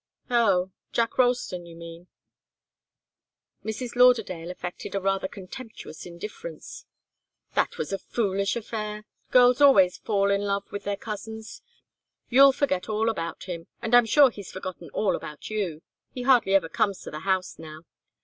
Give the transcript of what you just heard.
"Oh Jack Ralston, you mean?" Mrs. Lauderdale affected a rather contemptuous indifference. "That was a foolish affair. Girls always fall in love with their cousins. You'll forget all about him, and I'm sure he's forgotten all about you. He hardly ever comes to the house now.